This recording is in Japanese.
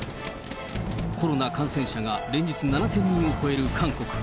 コロナ感染者が連日７０００人を超える韓国。